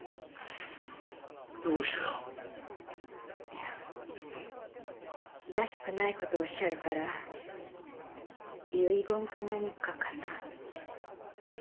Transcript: いやらしくないことおっしゃるから遺言か何かかなって。